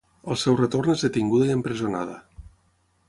Al seu retorn és detinguda i empresonada.